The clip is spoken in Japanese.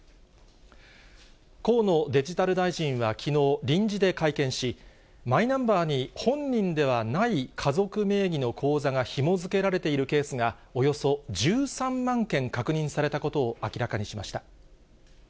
河野デジタル大臣はきのう、臨時で会見し、マイナンバーに本人ではない家族名義の口座がひも付けられているケースがおよそ１３万件確認されたことを明らかにしました。